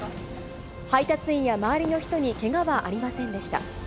配達員や周りの人にけがはありませんでした。